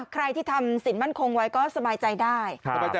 ใครที่ทำสินมั่นคงไว้ก็สบายใจได้